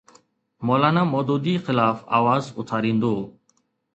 مو لانا مودودي خلاف آواز اٿاريندو.